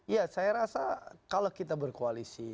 ya saya rasa kalau kita berkoalisi